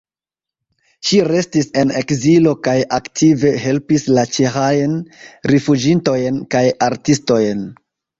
Ŝi restis en ekzilo kaj aktive helpis la ĉeĥajn rifuĝintojn kaj artistojn.